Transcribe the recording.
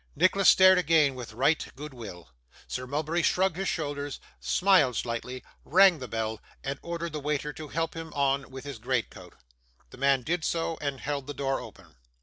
Nicholas stared again with right good will; Sir Mulberry shrugged his shoulders, smiled slightly, rang the bell, and ordered the waiter to help him on with his greatcoat. The man did so, and held the door open.